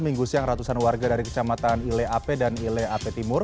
minggu siang ratusan warga dari kecamatan ile ape dan ile ape timur